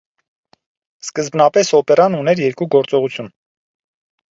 Սկզբնապես օպերան ուներ երկու գործողություն։